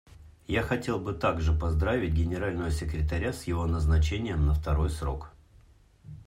Я хотел бы также поздравить Генерального секретаря с его назначением на второй срок.